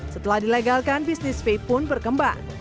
setelah dilegalkan bisnis vape pun berkembang